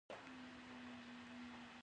پښتو باید د ډیجیټل پرمختګ برخه شي.